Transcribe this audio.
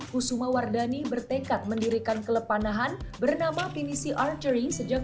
kusuma wardhani bertekad mendirikan klub panahan bernama pnc archery sejak dua ribu delapan belas